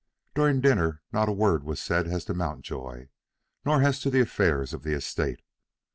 During dinner not a word was said as to Mountjoy, nor as to the affairs of the estate.